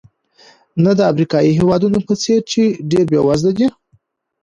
نه د افریقایي هېوادونو په څېر چې ډېر بېوزله دي.